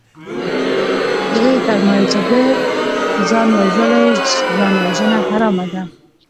ويې فرمايل چې ده ځان وژلى ځانوژنه حرامه ده.